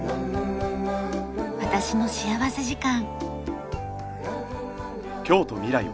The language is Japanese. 『私の幸福時間』。